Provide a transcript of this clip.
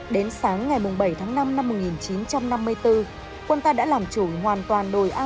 đến sáng ngày bảy tháng năm năm một nghìn chín trăm năm mươi bốn quân ta đã làm chủ hoàn toàn đồi a một